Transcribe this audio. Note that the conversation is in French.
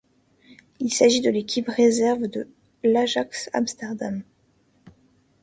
Il s'agit de l'équipe réserve de l'Ajax Amsterdam.